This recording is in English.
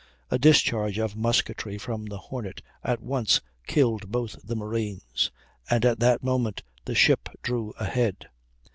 A discharge of musketry from the Hornet at once killed both the marines, and at that moment the ship drew ahead.